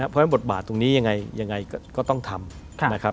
เพราะบทบาทที่นี้ยังไงก็ต้องทำ